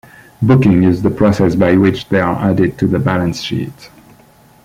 Booking is the process by which they are added to the balance sheet.